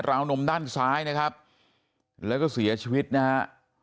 วนมด้านซ้ายนะครับแล้วก็เสียชีวิตนะฮะ